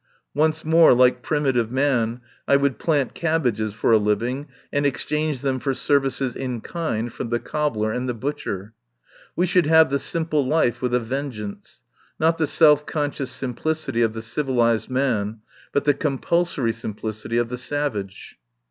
Once more, like primitive man, I would plant cabbages for a living and ex change them for services in kind from the cobbler and the butcher. We should have the simple life with a vengeance — not the self conscious simplicity of the civilised man, but the compulsory simplicity of the savage."